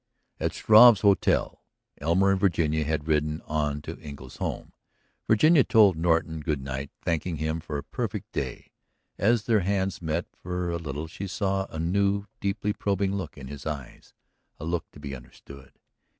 At Struve's hotel ... Elmer and Virginia had ridden on to Engle's home ... Virginia told Norton good night, thanking him for a perfect day. As their hands met for a little she saw a new, deeply probing look in his eyes, a look to be understood.